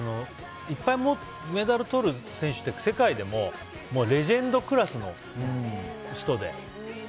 いっぱいメダルとる選手って世界でもレジェンドクラスの人で。